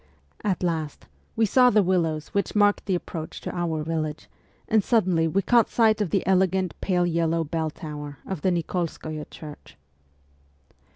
At last we saw the willows which marked the approach to our village, and suddenly we CHILDHOOD 51 caught sight of the elegant, pale yellow bell tower of the Nikolskoye church.